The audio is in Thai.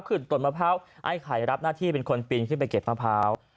ขึ้นต้นมะพร้าวไอ้ไข่รับหน้าที่เป็นคนปีนขึ้นไปเก็บมะพร้าว